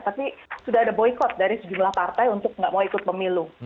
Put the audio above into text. tapi sudah ada boykot dari sejumlah partai untuk nggak mau ikut pemilu